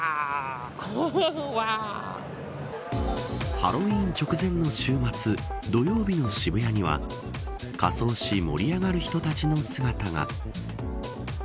ハロウィーン直前の週末土曜日の渋谷には仮装し盛り上がる人たちの姿が。